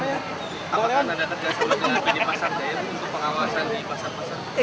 apa kata anda tergantung dengan penyelidikan masyarakat untuk pengawasan